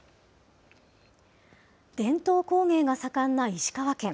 伝統工芸が盛んな石川県。